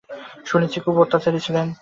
শুনেছি, খুব অত্যাচারী ছিলেন।